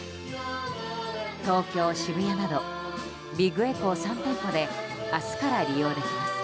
東京・渋谷などビッグエコー３店舗で明日から利用できます。